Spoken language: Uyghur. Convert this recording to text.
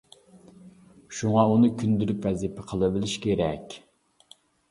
شۇڭا ئۇنى كۈندىلىك ۋەزىپە قىلىۋېلىش كېرەك.